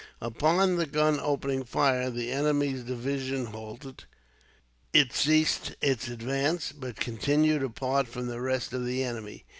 Upon the gun opening fire, the enemy's division halted. It ceased its advance, but continued apart from the rest of the enemy.